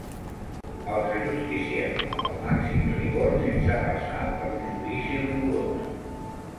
Els ajusticiem amb el màxim rigor sense passar per un judici rigorós.